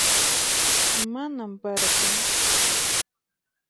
Manan para kanchu